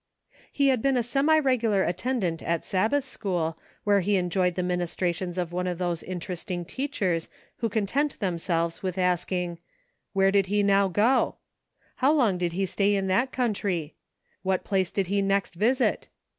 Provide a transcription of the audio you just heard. He had been a semi reirular attendant at Sab 60 SOME HALF WAY THINKING. bath school, where he enjoyed the ministrations of one of those interesting teachers who content themselves with asking :" Where did he now go ?"" How long did he stay in that country ?"" What place did he next visit